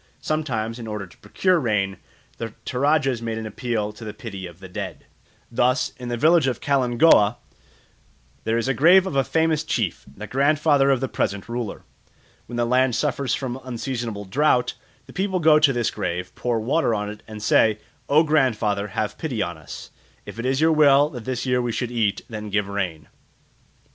Sometimes, in order to procure rain, the Toradjas make an appeal to the pity of the dead. Thus, in the village of Kalingooa, there is the grave of a famous chief, the grandfather of the present ruler. When the land suffers from unseasonable drought, the people go to this grave, pour water on it, and say, "O grandfather, have pity on us; if it is your will that this year we should eat, then give rain."